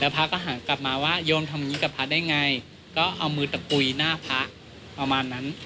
พระก็หันกลับมาว่าโยมทำอย่างนี้กับพระได้ไงก็เอามือตะกุยหน้าพระประมาณนั้น